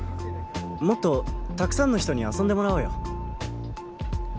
もっとたくさんの人に遊んでもらおうよ